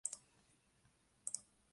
Asumió su puesto al día siguiente.